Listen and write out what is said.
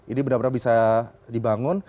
ini benar benar bisa dibangun